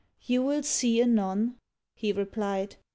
"You will see anon," he replied.